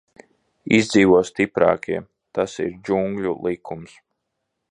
Izdzīvo stiprākie, tas ir džungļu likums.